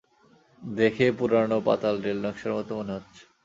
দেখে পুরানো পাতাল রেল নকশার মতো মনে হচ্ছে।